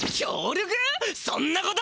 そんなこと！